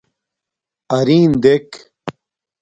اَرین دݵک.